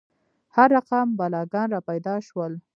هر رقم بلاګان را پیدا شول.